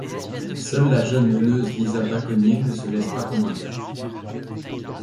Seule la jeune meneuse Lisa Bacconnier ne se laisse pas convaincre.